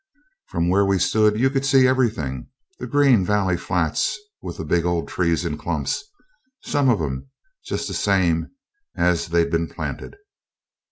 From where we stood you could see everything, the green valley flats with the big old trees in clumps, some of 'em just the same as they'd been planted.